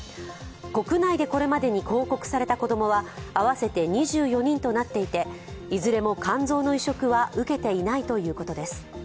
国内でこれまでに報告された子供は合わせて２４人となっていて、いずれも肝臓の移植は受けていないということです。